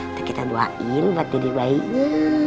ntar kita doain buat dede bayinya